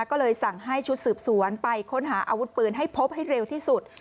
ก็เลยสั่งให้ชุดสืบสวนไปค้นหาอาวุธปืนให้พบให้เร็วที่สุด